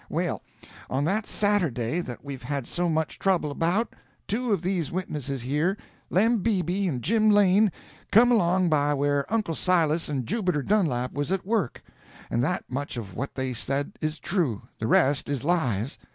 "Well, on that Saturday that we've had so much trouble about, two of these witnesses here, Lem Beebe and Jim Lane, come along by where Uncle Silas and Jubiter Dunlap was at work—and that much of what they've said is true, the rest is lies.